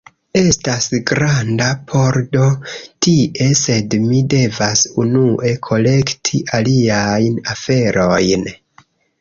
Estas granda pordo tie, sed mi devas unue kolekti aliajn aferojn.